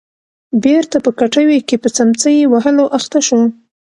بېرته په کټوې کې په څمڅۍ وهلو اخته شو.